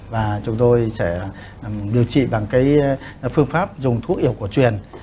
và chúng tôi sẽ điều trị bằng phương pháp dùng thuốc y học của truyền